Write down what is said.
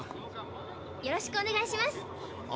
よろしくお願いします。